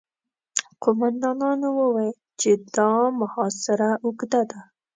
قوماندانانو وويل چې دا محاصره اوږده ده.